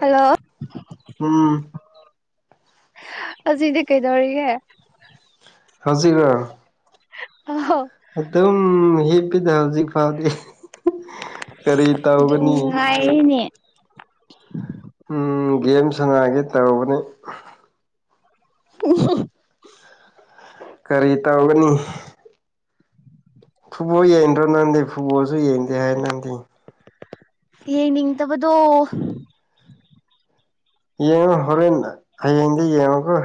hello ꯎꯝ ꯑꯁꯤꯗꯤ ꯀꯩꯗꯧꯔꯤꯒꯦ ꯍꯧꯖꯤꯔ ꯑ ꯍꯣ ꯑꯗꯨꯝ ꯍꯤꯞꯄꯤꯗ ꯍꯧꯖꯤꯛ ꯐꯥꯎꯗꯤ ꯀꯔꯤ ꯇꯧꯒꯅꯤ ꯅꯨꯡꯉꯥꯏꯔꯤꯅꯤ ꯎ ꯒꯦꯝ ꯁꯉꯒꯤ ꯇꯔꯨꯧꯕꯅꯤ ꯎ ꯀꯔꯤ ꯇꯧꯒꯅꯤ ꯐꯨꯠꯕꯣꯜ ꯌꯦꯡꯗ꯭ꯔꯣ ꯅꯪꯗꯤꯦ ꯐꯨꯠꯕꯣꯜꯁꯨ ꯌꯦꯡꯗꯦ ꯍꯥꯏꯅꯗꯤꯦ ꯌꯦꯡꯅꯤꯡꯗꯕꯗꯣ ꯌꯦꯡꯉꯣ ꯍꯣꯔꯦꯟ ꯍꯌꯦꯡꯗꯤ ꯌꯦꯡꯉꯨꯀꯣ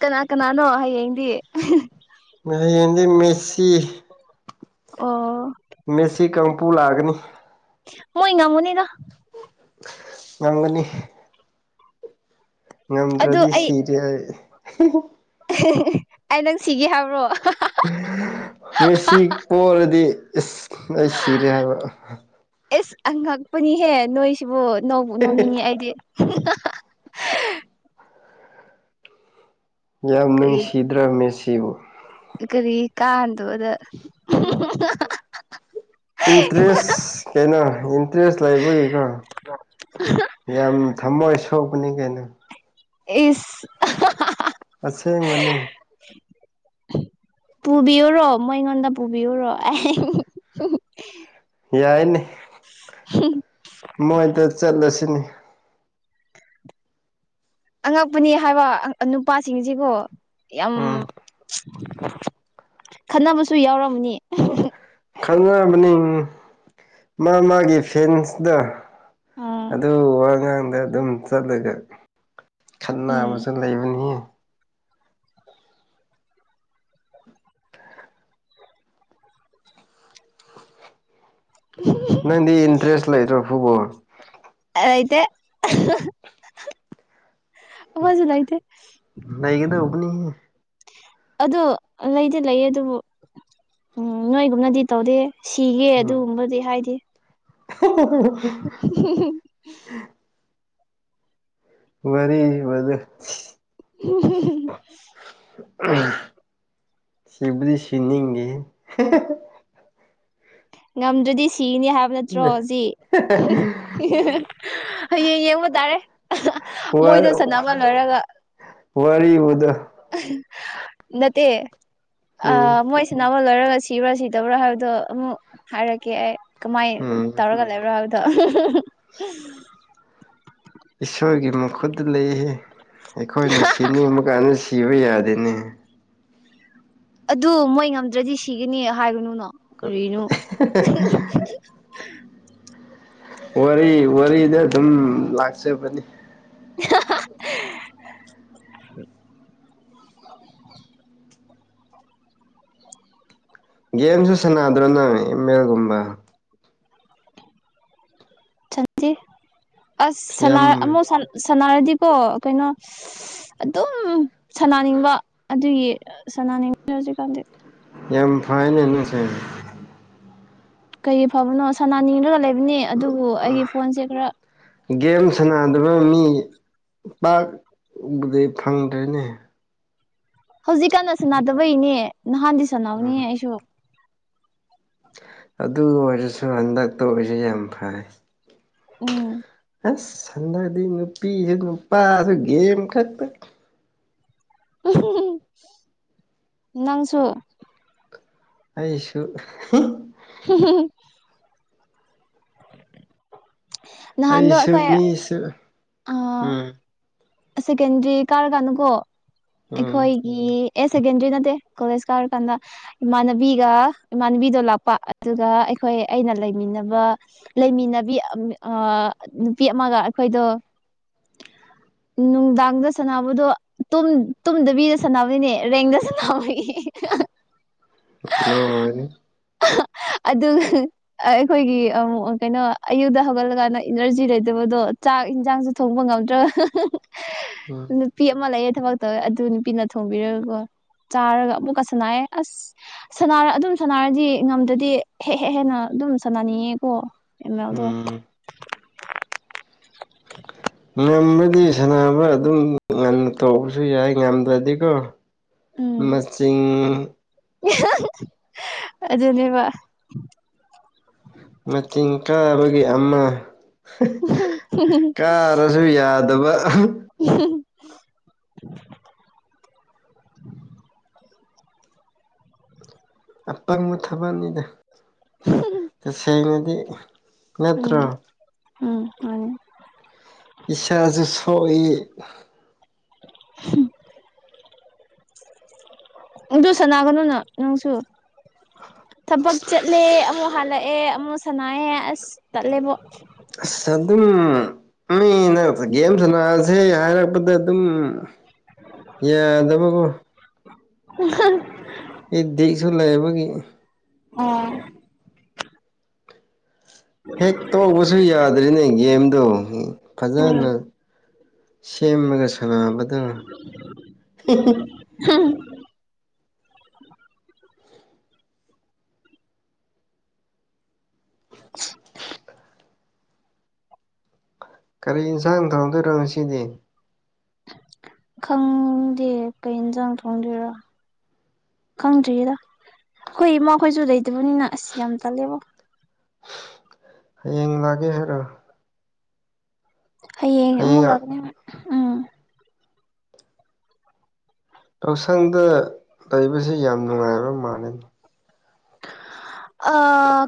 ꯀꯅꯥ ꯀꯅꯥꯅꯣ ꯍꯌꯦꯡꯗꯤ ꯌꯦꯡꯁꯤ ꯃꯦꯁꯤ ꯑꯣ ꯃꯦꯁꯤ ꯀꯥꯡꯄꯨ ꯂꯥꯛꯒꯅꯤ ꯃꯣꯏ ꯉ ꯃꯅꯤꯗ ꯉꯥꯡꯒꯅꯤ ꯑꯗꯨ ꯉꯝꯗ꯭ꯔꯗꯤ ꯑꯩ ꯁꯤꯔꯦ ꯑꯩ ꯅꯪ ꯁꯤꯒꯦ ꯍꯥꯏꯕ꯭ꯔꯣ ꯃꯤꯁꯤ ꯄꯣꯔꯗꯤ ꯏꯁꯁ ꯑꯩ ꯁꯤꯔꯦ ꯍꯥꯏꯕ ꯑꯦꯁ ꯑꯉꯛꯄꯅꯤꯍꯦ ꯅꯣꯏꯁꯤꯕꯨ ꯅ ꯅꯧꯅꯤꯡꯉꯦ ꯑꯩꯗꯤ ꯌꯥꯝ ꯀꯔꯤ ꯅꯨꯡꯁꯤꯗ꯭ꯔꯕ ꯃꯦꯁꯤꯕꯨ ꯀꯔꯤ ꯀꯥꯗ ꯑꯗ ꯍ [unintelligible] ꯏꯟꯇꯔꯦꯁ ꯀꯩꯅ ꯏꯟꯇꯔꯦꯁ ꯂꯩꯕ ꯀꯩꯀꯥ ꯌꯥꯝ ꯊꯝꯃꯣꯏ ꯁꯣꯛꯄꯅꯤ ꯀꯩꯅꯣ ꯏꯁ ꯑꯁꯦꯡꯕꯅꯤ ꯄꯨꯕꯤꯌꯨꯔꯣ ꯃꯣꯏꯉꯣꯟꯗ ꯄꯨꯕꯤꯌꯨꯔꯣ ꯑꯩ ꯌꯥꯏꯅꯦ ꯍꯝ ꯃꯣꯏꯗ ꯆꯠꯂꯁꯤꯅꯦ ꯑꯉꯛꯄꯅꯤ ꯍꯥꯏꯕ ꯅꯨꯄꯥꯁꯤꯡꯁꯤꯀꯣ ꯌꯥꯝ ꯎꯝ ꯈꯟꯅꯕꯁꯨ ꯌꯥꯎꯔꯝꯃꯅꯤ ꯈꯪꯅꯔꯃꯅꯤ ꯃꯥ ꯃꯥꯒꯤ ꯐꯦꯟꯁꯗ ꯑꯥ ꯑꯗꯨ ꯋꯥꯉꯥꯡꯗ ꯑꯗꯨꯝ ꯆꯠꯂꯒ ꯈꯟꯅꯥ ꯎꯝ ꯑꯃꯁꯨ ꯂꯩꯕꯅꯤ ꯅꯪꯗꯤ ꯏꯟꯇꯔꯦꯁ ꯂꯩꯇ꯭ꯔꯣ ꯐꯨꯠꯕꯣꯜ ꯑꯥꯏ ꯂꯩꯇꯦ ꯑꯈꯣꯢꯁꯨ ꯂꯩꯇꯦ ꯂꯩꯒꯗꯧꯕꯅꯤ ꯑꯗꯨ ꯂꯩꯗꯤ ꯂꯩꯌꯦ ꯑꯗꯨꯕꯨ ꯎꯝ ꯅꯣꯏꯒꯨꯝꯅꯗꯤ ꯇꯧꯗꯦ ꯁꯤꯒꯦ ꯎꯝ ꯑꯗꯨꯒꯨꯝꯕꯗꯤ ꯍꯥꯏꯗꯤ [unintelligible] [unintelligible] ꯋꯥꯔꯤ ꯋꯥꯗꯨ [unintelligible] ꯁꯤꯕꯨꯗꯤ ꯁꯤꯅꯤꯒꯦ [unintelligible] ꯉꯝꯗ꯭ꯔꯗꯤ ꯁꯤꯅꯤ ꯍꯥꯏꯕ ꯅꯠꯇ꯭ꯔꯣ ꯍꯧꯖꯤ ꯍꯌꯦꯡ ꯌꯦꯡꯕ ꯇꯥꯔꯦ ꯋꯥ ꯃꯣꯏꯗꯣ ꯁꯅꯃ ꯂꯣꯏꯔꯒ ꯋꯥꯔꯤꯕꯨꯗꯣ [unintelligible] ꯅꯠꯇꯦ ꯎꯝ ꯑꯥ ꯃꯣꯏ ꯁꯅꯕ ꯂꯣꯏꯔꯒ ꯁꯤꯕ꯭ꯔꯥ ꯁꯤꯗꯕ꯭ꯔꯥ ꯍꯥꯏꯕꯗꯣ ꯑꯃꯨꯛ ꯍꯥꯏꯔꯛꯀꯦ ꯑꯩ ꯀꯃꯥꯏ ꯎꯝ ꯇꯧꯔꯒ ꯂꯩꯕ꯭ꯔꯣ ꯍꯥꯏꯕꯗꯣ ꯏꯁꯣꯔꯒꯤ ꯃꯈꯨꯠꯇ ꯂꯩ ꯑꯩꯈꯣꯏꯅ ꯁꯤꯅꯤꯡꯕ ꯀꯥꯟꯗ ꯁꯤꯕ ꯌꯥꯗꯦꯅꯦ ꯑꯗꯨ ꯃꯣꯏ ꯉꯝꯗ꯭ꯔꯗꯤ ꯁꯤꯒꯅꯤ ꯍꯥꯏꯒꯨꯅꯨꯅꯣ ꯀꯔꯤꯅꯣ [unintelligible] ꯋꯤꯔꯤ ꯋꯥꯔꯤꯗ ꯑꯗꯨꯝ ꯂꯥꯛꯆꯕꯅꯤ [inaudible] ꯒꯦꯝꯁꯨ ꯁꯥꯟꯅꯗ꯭ꯔꯣ ꯅꯪ ꯑꯦꯝ ꯃꯦꯜ ꯒꯨꯝꯕ ꯁꯟꯗ ꯑꯁ ꯌꯥꯝ ꯑꯃꯨꯛ ꯁꯅꯔꯗꯤꯀꯣ ꯀꯩꯅꯣ ꯑꯗꯨꯝ ꯁꯅꯥꯅꯤꯡꯕ ꯑꯗꯨꯒꯤ ꯁꯅꯤꯡꯗꯦ ꯍꯧꯖꯤꯛꯀꯥꯟꯗꯤ ꯌꯥꯝ ꯐꯥꯏꯅꯦ ꯅꯣꯢꯁꯦ ꯀꯩ ꯐꯕꯅꯣ ꯁꯅꯥꯅꯤꯡꯉꯒ ꯂꯩꯕꯅꯤ ꯑꯗꯨꯕꯨ ꯑꯩꯒꯤ ꯐꯣꯟꯁꯦ ꯈꯔ ꯒꯦꯝ ꯁꯥꯟꯅꯗꯕ ꯃꯤ ꯄꯥꯛꯄꯗꯤ ꯐꯪꯗ꯭ꯔꯦꯅꯦ ꯍꯧꯖꯤꯛꯀꯥꯟꯅ ꯁꯥꯟꯅꯗꯕꯩꯅꯦ ꯅꯍꯥꯟꯗꯤ ꯁꯥꯟꯅꯕꯅꯦ ꯎꯝ ꯑꯩꯁꯨ ꯑꯗꯨ ꯑꯣꯏꯔꯁꯨ ꯍꯟꯗꯛ ꯇꯧꯔꯤꯁꯨ ꯌꯥꯝ ꯐꯩ ꯎꯝ ꯑꯁ ꯍꯟꯗꯛꯗꯤ ꯅꯨꯄꯤꯁꯨ ꯅꯨꯄꯥꯁꯨ ꯒꯦꯝ ꯈꯛꯇ [unintelligible] ꯅꯪꯁꯨ ꯑꯩꯁꯨ [inaudible] ꯅꯍꯥꯟꯗꯣ ꯑꯩꯁꯨ ꯑꯩꯈꯣꯏ ꯃꯤꯁꯨ ꯑꯥ ꯎꯝ ꯁꯦꯀꯦꯟꯗ꯭ꯔꯤ ꯀꯥꯔ ꯀꯥꯅꯀꯣ ꯎꯝ ꯑꯩꯈꯣꯏ ꯏ ꯌꯥꯔ ꯁꯦꯀꯦꯟꯗ꯭ꯔꯤ ꯅꯠꯇꯦ ꯀꯣꯂꯦꯖ ꯀꯥꯔꯀꯥꯟꯗ ꯏꯃꯥꯟꯅꯕꯤꯒ ꯏꯃꯥꯟꯅꯕꯤꯗꯣ ꯂꯥꯛꯄ ꯑꯗꯨꯒ ꯑꯩꯈꯣꯏ ꯑꯩꯅ ꯂꯩꯃꯤꯟꯅꯕ ꯂꯩꯃꯤꯟꯅꯕꯤ ꯑꯥ ꯅꯨꯄꯤ ꯑꯃꯒ ꯑꯩꯈꯣꯏꯗꯣ ꯅꯨꯡꯗꯥꯡꯗ ꯁꯥꯟꯅꯕꯗꯣ ꯇꯨꯝꯗꯕꯤꯗ ꯁꯥꯟꯅꯕꯅꯤꯅꯦ ꯔꯦꯡꯗ ꯁꯥꯟꯅꯥꯕꯒꯤ [inaudible] ꯂꯣꯏꯔꯦ [unintelligible] ꯑꯗꯨ ꯑꯩꯈꯣꯏꯒꯤ ꯑꯃꯨꯛ ꯀꯩꯅꯣ ꯑꯌꯨꯛꯇ ꯍꯧꯒꯠꯂꯀꯥꯟꯗ ꯏꯅꯔꯖꯤ ꯂꯩꯇꯕꯗꯣ ꯆꯥꯛ ꯌꯦꯟꯁꯥꯡꯁꯨ ꯊꯣꯡꯕ ꯉꯝꯗ꯭ꯔꯕ ꯎꯝ [unintelligible] ꯅꯨꯄꯤ ꯑꯃ ꯂꯩꯌꯦ ꯊꯕꯛ ꯇꯧꯋꯦ ꯑꯗꯨ ꯅꯨꯄꯤꯅ ꯊꯣꯡꯕꯤꯔꯒꯀꯣ ꯆꯥꯔꯒ ꯑꯃꯨꯛꯀꯁꯅꯥꯑꯦ ꯑꯁ ꯁꯅꯔ ꯑꯗꯨꯝ ꯁꯅꯔꯗꯤ ꯉꯝꯗꯗꯤ ꯍꯦꯛ ꯍꯦꯛ ꯍꯦꯟꯅ ꯑꯗꯨꯝ ꯁꯥꯟꯅꯅꯤꯡꯉꯦꯀꯣ ꯑꯦꯝ ꯑꯦꯜꯗꯣ ꯎꯝ ꯉꯃꯗꯤ ꯁꯥꯟꯅꯕ ꯑꯗꯨꯝ ꯉꯟꯅ ꯇꯧꯕꯁꯨ ꯌꯥꯏ ꯉꯝꯗ꯭ꯔꯗꯤꯀꯣ ꯎꯝ ꯃꯆꯤꯡ [unintelligible] ꯑꯗꯨꯅꯦꯕ ꯃꯇꯤꯟ ꯀꯥꯕꯒꯤ ꯑꯃ ꯀꯥ ꯗ꯭ꯔꯁꯨ ꯌꯥꯗꯕ [unintelligible] ꯑꯄꯪꯕ ꯊꯕꯛꯅꯤꯗ ꯇꯁꯦꯡꯅꯗꯤ ꯅꯠꯇ꯭ꯔꯣ ꯎꯝ ꯎꯝ ꯃꯥꯅꯦ ꯏꯁꯥꯁꯨ ꯁꯣꯟꯂꯤ ꯎꯗꯨꯁꯅꯥꯒꯅꯨꯅ ꯅꯪꯁꯨ ꯊꯕꯛ ꯆꯠꯂꯦ ꯑꯃꯨꯛ ꯍꯜꯂꯛꯑꯦ ꯑꯃꯨꯛ ꯁꯅꯥꯑꯦ ꯑꯁ ꯇꯂꯦꯕꯣ ꯁ ꯑꯗꯨꯝ ꯃꯤ ꯒꯦꯝ ꯁꯅꯥꯁꯦ ꯍꯥꯏꯔꯛꯄꯗ ꯑꯗꯨꯝ ꯌꯥ ꯗꯕꯕꯨ [unintelligible] ꯑꯩ ꯗꯦꯛꯁꯨ ꯂꯩꯕꯒꯤ ꯑꯣ ꯍꯦꯛ ꯇꯣꯛꯕꯁꯨ ꯌꯥꯗ꯭ꯔꯤꯅꯦ ꯒꯦꯝꯗꯣ ꯐꯖꯅ ꯁꯦꯝꯃꯒ ꯁꯅꯥꯕꯗꯣ [unintelligible] [inaudible] ꯀꯔꯤ ꯌꯦꯟꯁꯥꯡ ꯊꯥꯡꯗꯣꯏꯔꯣ ꯉꯁꯤꯗꯤ ꯈꯪꯗꯦ ꯀꯩ ꯏꯟꯁꯥꯡ ꯊꯣꯡꯗꯣꯏꯔꯥ ꯈꯪꯗ꯭ꯔꯗ ꯑꯩꯈꯣꯏ ꯏꯃꯥꯈꯣꯏꯁꯨ ꯂꯩꯇꯕꯅꯤꯅ ꯑꯁ ꯌꯥꯝ ꯇꯜꯂꯦꯕꯣ ꯍꯌꯦꯡ ꯂꯥꯛꯒꯦ ꯍꯥꯏꯔꯣ ꯍꯌꯦꯡ ꯑꯃꯨꯛ ꯂꯥꯛꯀꯅꯤ ꯍꯣꯏ ꯎꯝ ꯌꯥꯎꯁꯪꯗ ꯂꯩꯕꯁꯤ ꯌꯥꯝ ꯅꯨꯡꯉꯥꯏꯕ ꯃꯥꯟꯅꯤꯅꯦ ꯑ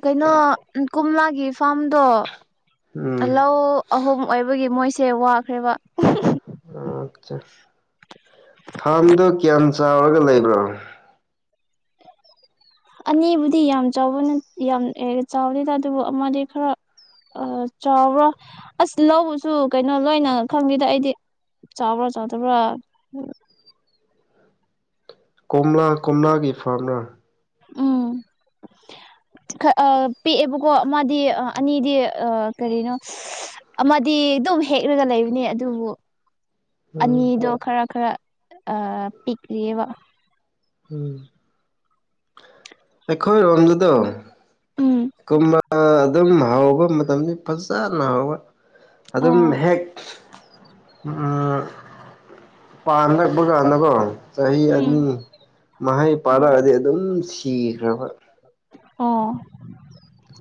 ꯀꯩꯅꯣ ꯀꯣꯝꯂꯥꯒꯤ ꯐꯥꯔꯝꯗꯣ ꯎꯝ ꯂꯧ ꯑꯍꯨꯝ ꯑꯣꯏꯕꯒꯤ ꯃꯣꯏꯁꯦ ꯋꯥꯈ꯭ꯔꯦꯕ ꯑꯠꯆꯥ ꯐꯥꯝꯗꯣ ꯀ꯭ꯌꯥꯝ ꯆꯥꯎꯔꯒ ꯂꯩꯕ꯭ꯔꯣ ꯑꯅꯤꯕꯨꯗꯤ ꯌꯥꯝ ꯆꯥꯎꯕꯅꯦ ꯌꯥꯝ ꯆꯥꯎꯗꯦꯗ ꯑꯗꯨꯕꯨ ꯑꯃꯗꯤ ꯈꯔ ꯑ ꯆꯥꯎꯕ꯭ꯔꯣ ꯑꯁ ꯂꯧꯕꯁꯨ ꯀꯩꯅꯣ ꯂꯣꯏꯅ ꯈꯪꯗꯦꯗ ꯑꯩꯗꯤ ꯆꯥꯎꯕ꯭ꯔꯣ ꯆꯥꯎꯗꯕ꯭ꯔꯥ ꯀꯣꯝꯂꯥ ꯀꯣꯝꯂꯥꯒꯤ ꯐꯥꯝꯂ ꯎꯝ ꯑ ꯄꯤꯑꯦꯕꯀꯣ ꯑꯃꯥꯗꯤ ꯑꯅꯤꯗꯤ ꯀꯔꯤꯅꯣ ꯑꯃꯗꯤ ꯑꯗꯨꯝ ꯍꯦꯛꯂꯒ ꯂꯩꯕꯅꯤ ꯑꯗꯨꯕꯨ ꯎꯝ ꯑꯅꯤꯗꯣ ꯈꯔ ꯈꯔ ꯄꯤꯛꯂꯤꯑꯦꯕ ꯎ ꯑꯩꯈꯣꯏ ꯔꯣꯝꯗꯨꯗ ꯎꯝ ꯀꯣꯝꯂ ꯑꯗꯨꯝ ꯍꯥꯎꯕ ꯃꯇꯝꯗꯤ ꯐꯖꯅ ꯍꯥꯎꯕ ꯑꯗꯨꯝ ꯑꯣ ꯍꯦꯛ ꯎꯝ ꯄꯥꯟꯂꯛꯄ ꯀꯥꯟꯗꯀꯣ ꯆꯍꯤ ꯎꯝ ꯑꯅꯤ ꯃꯍꯩ ꯄꯥꯟꯂꯛꯑꯗꯤ ꯑꯗꯨꯝ ꯁꯤꯈ꯭ꯔꯕ ꯑꯣ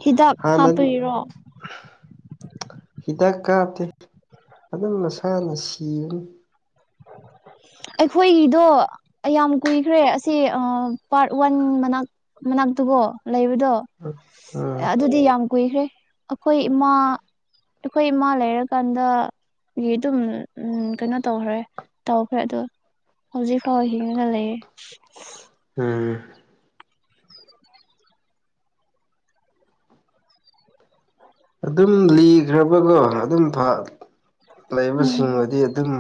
ꯍꯤꯗꯥꯛ ꯍꯥꯟꯅ ꯍꯥꯞꯄꯩꯔꯣ ꯍꯤꯗꯥꯛ ꯀꯥꯞꯇꯦ ꯑꯗꯨꯝ ꯃꯁꯥꯅ ꯁꯤꯕꯅꯤ ꯑꯩꯈꯣꯏꯒꯤꯗꯣ ꯌꯥꯝ ꯀꯨꯏꯈ꯭ꯔꯦ ꯑꯁꯤꯁ ꯄꯥꯔꯠ ꯋꯥꯟ ꯃꯅꯥꯛ ꯃꯅꯥꯛꯇꯨꯕꯣ ꯂꯩꯕꯗꯣ ꯎꯝ ꯑꯗꯨꯗꯤ ꯌꯥꯝ ꯀꯨꯏꯈ꯭ꯔꯦ ꯑꯩꯈꯣꯏ ꯏꯃꯥ ꯑꯩꯈꯣꯏ ꯏꯃꯥ ꯂꯩꯔꯀꯥꯟꯗ ꯒꯤ ꯑꯗꯨꯝ ꯀꯩꯅꯣ ꯇꯧꯈ꯭ꯔꯦ ꯇꯧꯈ꯭ꯔꯦ ꯑꯗꯣ ꯍꯧꯖꯤ ꯈꯥꯎ ꯍꯤꯡ ꯅ ꯂꯩꯒꯦ ꯎꯝ ꯑꯗꯨꯝ ꯂꯤꯈ꯭ꯔꯕꯒꯣ ꯑꯗꯨꯝ ꯎꯝ ꯂꯩꯕꯁꯤꯡꯕꯨꯗꯤ ꯑꯗꯨꯝ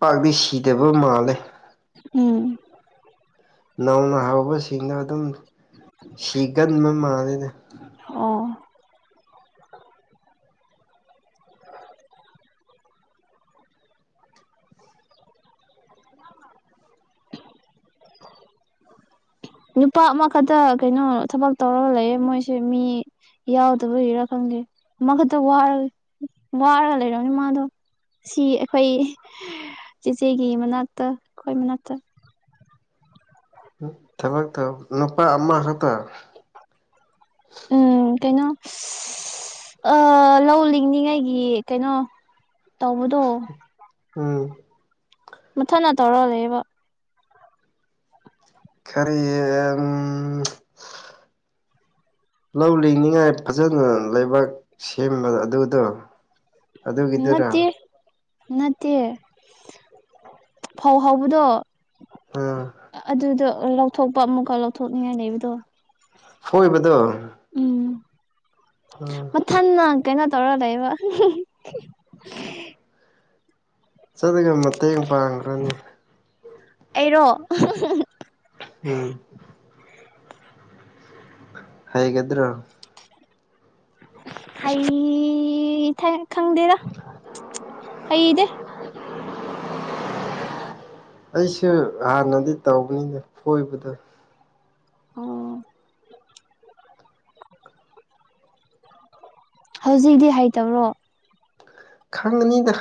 ꯄꯥꯛꯇꯤ ꯁꯤꯗꯕ ꯃꯥꯜꯂꯦ ꯎꯝ ꯅꯧꯅ ꯍꯧꯕꯁꯤꯡꯗꯣ ꯑꯗꯨꯝ ꯁꯤꯒꯟꯕ ꯃꯥꯜꯂꯤꯦꯗ ꯑꯣ [unintelligible] [unintelligible] ꯅꯨꯄꯥ ꯑꯃꯈꯛꯇ ꯀꯩꯅꯣ ꯊꯕꯛ ꯇꯧꯔꯒ ꯂꯩꯌꯦꯦ ꯃꯣꯏꯁꯦ ꯃꯤ ꯌꯥꯎꯗꯕꯒꯤꯔꯥ ꯈꯪꯗꯦ ꯑꯃꯈꯛꯇ ꯋꯥꯔ ꯋꯥꯔꯒ ꯂꯩꯔꯅꯤ ꯃꯥꯗꯣ ꯁꯤ ꯑꯩꯈꯣꯏ ꯆꯦꯆꯦꯒꯤ ꯃꯅꯥꯛꯇ ꯑꯩꯈꯣꯏ ꯃꯅꯥꯛꯇ ꯊꯕꯛꯇ ꯅꯨꯄꯥ ꯑꯃ ꯈꯛꯇ ꯎꯝ ꯀꯩꯅꯣ ꯂꯧ ꯂꯤꯡꯉꯉꯩꯒꯤ ꯀꯩꯅꯣ ꯇꯗꯣ ꯎꯝ ꯃꯨꯊꯅꯥ ꯇꯧꯔ ꯂꯩꯦꯕ ꯈꯔꯤ ꯎ [unintelligible] ꯂꯧ ꯂꯤꯡꯅꯤꯡꯉꯥꯏ ꯐꯖꯅ ꯂꯩꯕꯥꯛ ꯁꯦꯝꯕ ꯑꯗꯨꯗꯣ ꯑꯗꯨꯒꯤꯗꯨꯔ ꯅꯠꯇꯦ ꯅꯠꯇꯦ ꯐꯧ ꯍꯥꯎꯕꯗꯣ ꯑꯝ ꯑꯗꯨꯗꯣ ꯂꯧꯊꯣꯛꯄ ꯑꯃꯨꯛꯀ ꯂꯧꯊꯣꯛꯅꯤꯡꯉꯥꯏ ꯂꯩꯕꯗꯣ ꯍꯣꯏꯕꯗꯣ ꯎꯝ ꯎꯝ ꯊꯟꯅ ꯀꯩꯅꯣ ꯇꯧꯔ ꯂꯩꯕ ꯆꯠꯂꯒ ꯃꯇꯦꯡ ꯄꯥꯡꯈ꯭ꯔꯅꯤ ꯑꯩꯔꯣ ꯎꯝ ꯍꯥꯏꯒꯗ꯭ꯔꯣ ꯍ ꯊ ꯈꯪꯗꯦꯔ ꯍꯩꯗꯦ ꯑꯩꯁꯨ ꯍꯥꯟꯅꯗꯤ ꯇꯧꯅꯤꯗ ꯀꯣꯏꯕꯗꯣ ꯑꯣ ꯍꯧꯖꯤꯛꯗꯤ ꯍꯩꯇꯔꯣ ꯈꯪꯉꯅꯤꯗ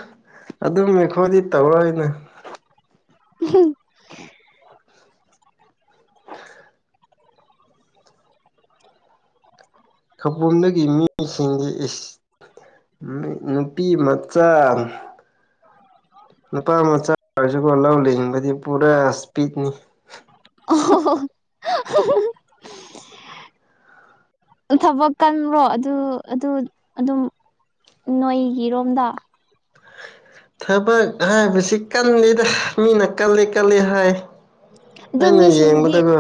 ꯑꯗꯨꯝꯅꯤꯈꯣꯏꯗꯤ ꯇꯧꯔꯣꯏꯅꯦ ꯎꯝ ꯈꯕꯨꯝꯗꯒꯤ ꯃꯤꯁꯤꯡꯗꯤ ꯅꯨꯄꯤꯃꯆꯥꯆꯥ ꯅꯨꯄꯥ ꯃꯆꯥ ꯑꯣꯏꯔꯁꯨꯒꯣ ꯂꯧ ꯂꯤꯡꯅꯤꯡꯕꯗꯤ ꯄꯨꯔꯥ ꯏꯁꯄꯤꯠꯅꯤ ꯑꯣ ꯊꯕꯛ ꯀꯟꯕ꯭ꯔꯣ ꯑꯗꯨ ꯑꯗꯨ ꯑꯗꯨꯝ ꯅꯣꯏꯒꯤꯔꯣꯝꯗ ꯊꯕꯛ ꯍꯥꯏꯕꯁꯤ ꯀꯜꯂꯤꯗ ꯃꯤꯅ ꯀꯜꯂꯤ ꯀꯜꯂꯤ ꯍꯥꯏ ꯑꯩꯅ ꯑꯗꯨꯃꯤ ꯁꯤꯗꯤ ꯌꯦꯡꯕꯗꯀꯣ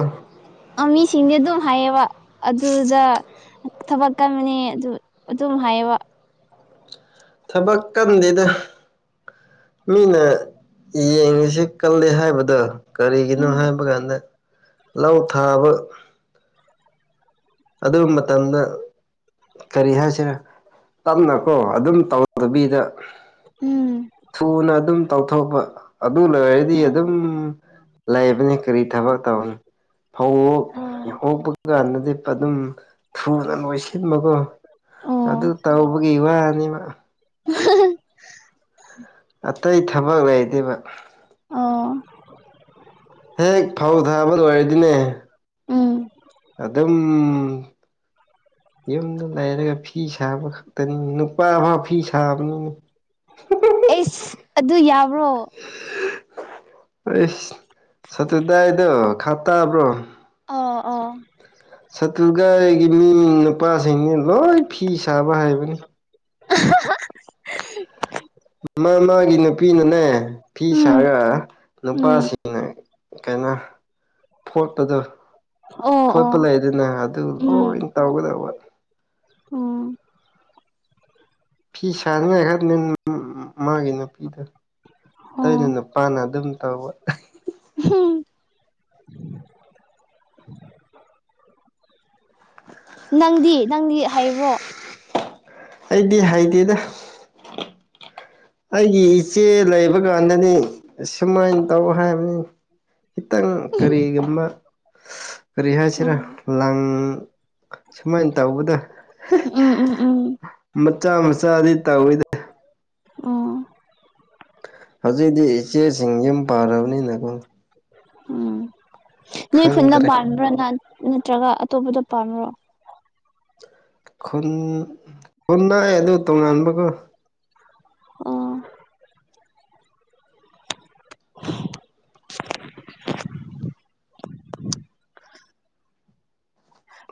ꯃꯤꯁꯤꯡꯗꯤ ꯑꯗꯨꯝ ꯍꯥꯏꯌꯦꯕ ꯑꯗꯨꯗ ꯊꯕꯛꯀꯃꯅꯦ ꯑꯗꯨ ꯑꯗꯨꯝ ꯍꯥꯏꯌꯦꯕ ꯊꯕꯛ ꯀꯟꯗꯦꯗ ꯃꯤꯅ ꯌꯦꯡꯉꯤꯁꯦ ꯀꯜꯂꯦ ꯍꯥꯏꯕꯗ ꯀꯔꯤꯒꯤꯅꯣ ꯎꯝ ꯍꯥꯏꯕ ꯀꯥꯟꯗ ꯂꯧ ꯊꯥꯕ ꯑꯗꯨ ꯃꯇꯝꯗ ꯀꯔꯤ ꯍꯥꯏꯁꯤꯔ ꯇꯞꯅꯀꯣ ꯑꯗꯨꯝ ꯇꯧꯗꯕꯤꯗ ꯎꯝ ꯊꯨꯅ ꯑꯗꯨꯝ ꯇꯧꯊꯣꯛꯄ ꯑꯗꯨ ꯂꯣꯏꯔꯗꯤ ꯑꯣ ꯑꯗꯨꯝ ꯂꯩꯕꯅꯤ ꯀꯔꯤ ꯊꯕꯛ ꯇꯧꯅꯤ ꯐꯧ ꯑꯥ ꯍꯣꯛꯄ ꯀꯥꯟꯅꯗꯤ ꯑꯗꯨꯝ ꯊꯨꯅ ꯂꯣꯏꯁꯤꯟꯕꯀꯣ ꯑꯣ ꯑꯗꯨ ꯇꯧꯕꯒꯤ ꯋꯥꯅꯦꯕ ꯑꯇꯩ ꯊꯕꯛ ꯂꯩꯇꯦꯕ ꯑꯣ ꯍꯦꯛ ꯐꯧ ꯊꯥꯕ ꯂꯣꯏꯔꯗꯤꯅꯦ ꯎꯝ ꯑꯗꯨꯝ ꯌꯨꯝꯗ ꯂꯥꯏꯔ ꯐꯤ ꯁꯥꯕ ꯈꯛꯇꯅꯤ ꯅꯨꯄꯥꯐꯧ ꯐꯤ ꯁꯥꯕꯅꯤꯅꯦ ꯑꯩꯁ ꯑꯗꯨ ꯌꯥꯕ꯭ꯔꯣ ꯑꯩꯁ ꯁꯇꯨꯗꯥꯏꯗꯣ ꯈꯥ ꯇꯥꯕ꯭ꯔꯣ ꯑꯥ ꯑꯥ ꯁꯥꯇꯨꯒꯥꯏꯒꯤ ꯃꯤ ꯅꯨꯄꯥꯁꯤꯡꯅꯤ ꯂꯣꯏ ꯐꯤ ꯁꯥꯕ ꯍꯥꯏꯕꯅꯤ [unintelligible] ꯃꯥ ꯃꯥꯒꯤ ꯅꯨꯄꯤꯅꯅꯦ ꯐꯤ ꯎꯝ ꯁꯥꯔꯒ ꯎꯝ ꯅꯨꯄꯥꯁꯤ [unintelligible] ꯀꯩꯅꯣ ꯐꯣꯠꯄꯗꯣ ꯑꯣ ꯑꯣ ꯐꯣꯠꯄ ꯂꯩꯗꯅ ꯑꯗꯨ ꯂꯣꯏ ꯇꯧꯒꯗꯧꯕ ꯑꯣ ꯐꯤ ꯁꯥꯅꯤꯡꯉꯥꯏ [unintelligible] ꯃꯥꯒꯤ ꯅꯨꯄꯤꯗ ꯑꯣ ꯑꯇꯩꯅ ꯅꯨꯄꯥꯅ ꯑꯗꯨꯝ ꯇꯧꯕ [unintelligible] [inaudible] ꯅꯪꯗꯤ ꯅꯪꯗꯤ ꯍꯥꯏꯕ꯭ꯔꯣ ꯑꯩꯗꯤ ꯍꯥꯏꯗꯦꯗ ꯑꯩꯒꯤ ꯏꯆꯦ ꯂꯩꯕ ꯀꯥꯟꯗꯅꯤ ꯁꯨꯃꯥꯏꯅ ꯇꯧ ꯍꯥꯏꯕꯅꯤ ꯈꯤꯇꯪ ꯀꯔꯤꯒꯨꯝꯃ ꯀꯔꯤ ꯍꯥꯏꯁꯤꯔꯥ ꯑꯣ ꯂꯪ ꯁꯨꯃꯥꯏꯅ ꯇꯧꯕꯗ ꯎꯝ ꯎꯝ ꯎꯝ ꯃꯆꯥ ꯃꯆꯥꯗꯤ [unintelligible] ꯑꯣ ꯍꯧꯖꯤꯛꯇꯤ ꯏꯆꯦꯁꯤꯡ ꯌꯨꯝ ꯄꯥꯔꯕꯅꯤꯅꯀꯣ ꯎꯝ ꯅꯣꯏ ꯈꯨꯟꯅ ꯈꯪꯗ꯭ꯔꯦ ꯄꯥꯝꯕ꯭ꯔꯥ ꯅꯠꯇ꯭ꯔꯒ ꯑꯇꯣꯞꯄꯗ ꯄꯥꯝꯕ꯭ꯔꯣ ꯈꯨꯟ ꯈꯨꯟ ꯂꯥꯛꯑꯦ ꯑꯗꯨ ꯇꯣꯉꯥꯟꯕꯀꯣ ꯑꯣ [unintelligible]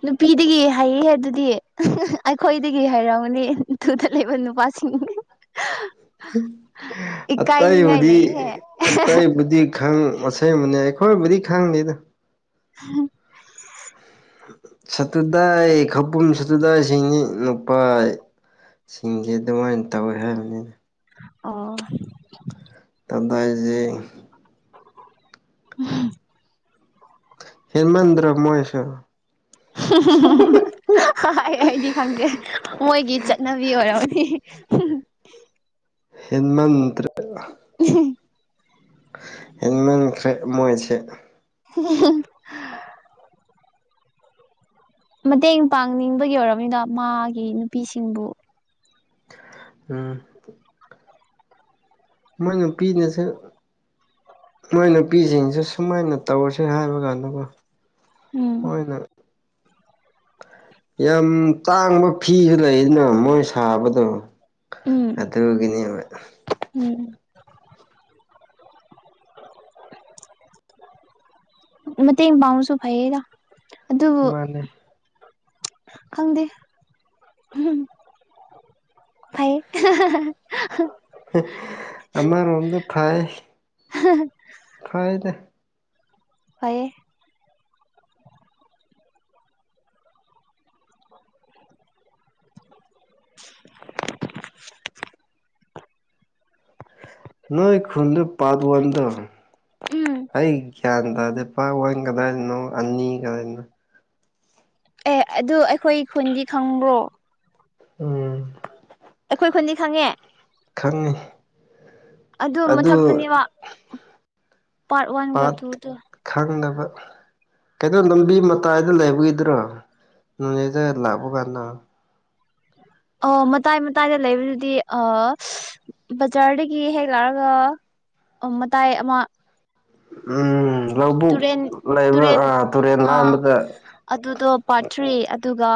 ꯅꯨꯄꯤꯗꯒꯤ ꯍꯥꯏꯌꯦ ꯑꯗꯨꯗꯤ ꯑꯩꯈꯣꯏꯗꯒꯤ ꯍꯥꯏꯔꯝꯅꯤ ꯊꯨꯗ ꯂꯩꯕ ꯅꯨꯄꯥꯁꯤꯡ ꯏꯀꯥꯏ ꯅꯤꯡꯉꯥꯏ ꯑꯇꯩꯕꯨꯗꯤ ꯂꯩꯍꯦ ꯑꯇꯩꯕꯨꯗꯤ ꯈꯪ ꯑꯁꯦꯡꯕꯅꯦ ꯑꯩꯈꯣꯏꯕꯨꯗꯤ ꯈꯪꯗꯦꯗ [unintelligible] ꯁꯠꯇꯨꯗꯥꯏ ꯈꯕꯨꯝ ꯁꯠꯇꯨꯗꯥꯏꯁꯤꯡ ꯅꯨꯄꯥ ꯁꯤꯡꯁꯦ ꯑꯗꯨꯃꯥꯏꯅ ꯇꯧꯋꯦ ꯍꯥꯏꯕꯅꯤ ꯑꯣ [unintelligible] [inaudible] ꯍꯦꯃꯦꯟꯗ꯭ꯔ ꯃꯣꯏꯁ [unintelligible] ꯑꯩ ꯑꯩꯗꯤ ꯈꯪꯗꯦ ꯃꯣꯏꯒꯤ ꯆꯠꯅꯕꯤ ꯑꯣꯏꯔꯝꯅꯤ ꯎꯝ ꯍꯦꯃꯟꯇ꯭ꯔ [unintelligible] ꯍꯦ ꯃꯟꯈ꯭ꯔꯦ ꯃꯣꯏꯁꯦ [unintelligible] ꯃꯇꯦꯡ ꯄꯥꯡꯅꯤꯡꯕꯒꯤ ꯑꯣꯏꯔꯕꯝꯅꯤꯅ ꯃꯥꯒꯤ ꯅꯨꯄꯤꯁꯤꯡꯕꯨ ꯑꯝ ꯃꯣꯏꯅꯄꯤꯤꯅꯁꯨꯦ ꯃꯣꯏ ꯅꯨꯄꯤꯁꯤꯡꯁꯦ ꯁꯨꯃꯥꯏꯅ ꯇꯧꯔꯁꯦ ꯍꯥꯏꯕ ꯀꯥꯟꯗꯀꯣ ꯎꯝ ꯍꯣꯏꯅꯔꯦ ꯌꯥꯝ ꯇꯥꯡꯕ ꯐꯤꯁꯨ ꯂꯩꯗꯅ ꯃꯣꯏ ꯁꯥꯕꯗꯣ ꯎꯝ ꯑꯗꯨꯒꯤꯅꯦꯕ ꯎꯝ ꯃ ꯃꯥꯕꯥꯎꯁꯨ ꯐꯩꯒ ꯃꯥꯅꯦ ꯈꯪꯗꯦ ꯎꯝ [unintelligible] ꯑꯃꯔꯣꯝꯗ ꯐꯩ ꯐꯥꯏꯗꯦ ꯑꯩ [unintelligible] ꯅꯣꯏ ꯈꯨꯟꯗ ꯄꯥꯔꯠ ꯋꯥꯟꯗꯣ ꯎꯝ ꯑꯩ ꯒ꯭ꯌꯥꯟ ꯇꯥꯗꯦ ꯅꯨꯄꯥ ꯍ ꯀꯗꯥꯏꯗꯅꯣ ꯑꯅꯤ ꯀꯗꯥꯏꯗꯅꯣ ꯑꯦ ꯑꯗꯨ ꯑꯩꯈꯣꯏ ꯈꯨꯟꯗꯤ ꯈꯪꯕ꯭ꯔꯣ ꯎꯝ ꯑꯩꯈꯣꯏ ꯈꯨꯟꯗꯤ ꯈꯪꯉꯦ ꯈꯪꯉꯤ ꯑꯗꯨ ꯃꯊꯛꯇꯅꯦꯕ ꯄꯥꯔꯠ ꯋꯥꯟꯒ ꯄꯥꯠ ꯇꯨꯗꯨ ꯈꯪꯗꯕ ꯀꯩꯅꯣ ꯂꯨꯝꯕꯤ ꯃꯇꯥꯏ ꯂꯩꯕꯒꯤꯗ꯭ꯔꯣ ꯅꯣꯅꯦꯗ ꯂꯥꯛꯄ ꯀꯥꯟꯗ ꯑ ꯃꯇꯥꯏ ꯃꯇꯥꯏꯗ ꯂꯩꯕꯗꯨꯗꯤ ꯑ ꯕꯖꯥꯔꯗꯒꯤ ꯍꯦꯛ ꯂꯥꯛꯑꯒ ꯑꯣ ꯃꯇꯥꯏ ꯑꯃ ꯎꯝ ꯂꯧꯕꯨꯛ ꯇꯨꯔꯦꯟ ꯂꯩꯕ ꯇꯨꯔꯦꯟ ꯑ ꯇꯨꯔꯦꯟ ꯑꯥ ꯂꯥꯟꯕꯗ ꯑꯗꯨꯗꯣ ꯄꯥꯔꯠ ꯊ꯭ꯔꯤ ꯑꯗꯨꯒ